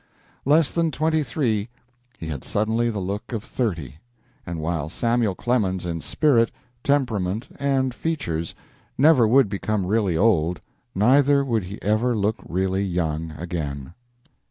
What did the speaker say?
Less than twenty three, he had suddenly the look of thirty, and while Samuel Clemens in spirit, temperament, and features never would become really old, neither would he ever look really young again.